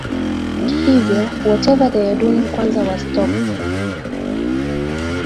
hivyo whatever they are doing kwanza wa stop